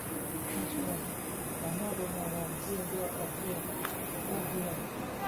อ้อใช่ สามารถรณรงค์เพื่อแยกประเทศได้ด้วย